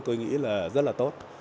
tôi nghĩ là rất là tốt